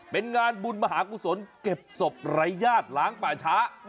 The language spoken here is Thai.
เป็นงานบุญมหากุศลเก็บศพไร้ญาติล้างป่าช้า